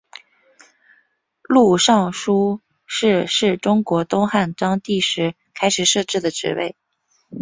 录尚书事是中国东汉章帝时开始设置的职位。